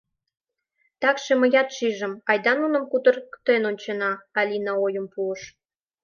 — Такше мыят шижым, айда нуным кутырыктен ончена, — Алина ойым пуыш.